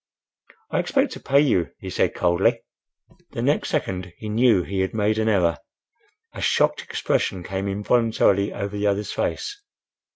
"I expect to pay you," he said, coldly. The next second he knew he had made an error. A shocked expression came involuntarily over the other's face.